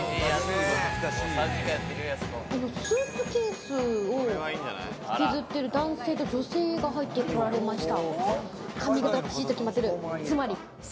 スーツケースを引きずってる男性と女性が入ってこられました。